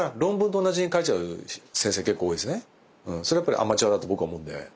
それはやっぱりアマチュアだと僕は思うんで。